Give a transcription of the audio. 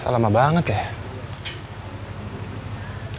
salah lama banget ya